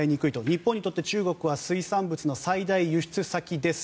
日本にとって中国は水産物の最大輸出先です。